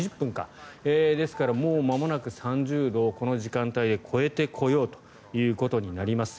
ですから、もうまもなく３０度をこの時間帯で超えてこようということになります。